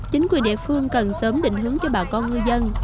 chính quyền địa phương cần sớm định hướng cho bà con ngư dân